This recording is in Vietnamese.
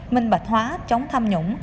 minh bạch hóa chống tham nhũng